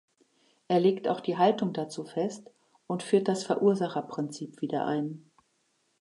Er legt auch die Haltung dazu fest und führt das Verursacherprinzip wieder ein.